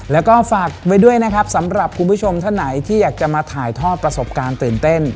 แล้วก็ฝากไว้ด้วยนะครับสำหรับคุณผู้ชมท่านไหนที่อยากจะมาถ่ายทอดประสบการณ์ตื่นเต้น